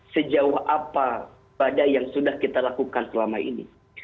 sejauh apa badai yang sudah kita lakukan selama ini